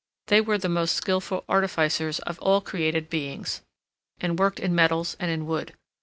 They were the most skilful artificers of all created beings, and worked in metals and in wood.